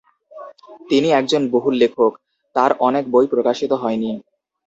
তিনি একজন বহুল লেখক, তাঁর অনেক বই প্রকাশিত হয়নি।